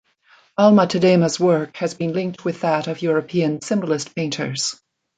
Alma-Tadema's work has been linked with that of European Symbolist painters.